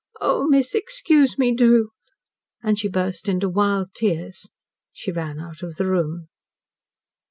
Oh, miss, excuse me do!" And as she burst into wild tears, she ran out of the room.